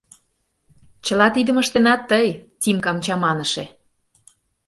— Чыла тидым ыштенат тый, Тимкам чаманыше!